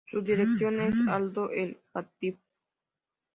Su director es Aldo El-Jatib.